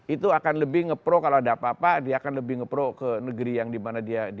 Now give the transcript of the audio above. itu akan lebih ngepro kalau ada apa apa dia akan lebih ngepro ke negeri yang di mana dia